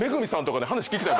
聞きたい！